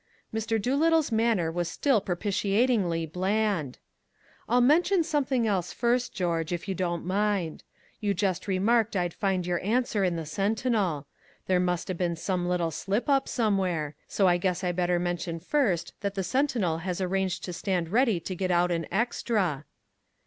Mr. Doolittle's manner was still propitiatingly bland. "I'll mention something else first, George, if you don't mind. You just remarked I'd find your answer in the Sentinel. There must 'a' been some little slip up somewhere. So I guess I better mention first that the Sentinel has arranged to stand ready to get out an extra."